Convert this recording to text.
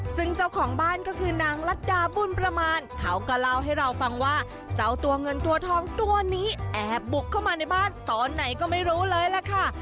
ซึ่งเจ้าของบ้านก็คือนางรัฐดาบุญประมาณเขาก็เล่าให้เราฟังว่าเจ้าตัวเงินตัวทองตัวนี้แอบบุกเข้ามาในบ้านตอนไหนก็ไม่รู้เลยล่ะค่ะ